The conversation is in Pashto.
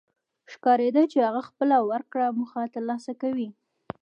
ښکارېده چې هغه خپله ورکړه موخه تر لاسه کوي.